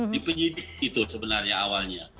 di penyidik itu sebenarnya awalnya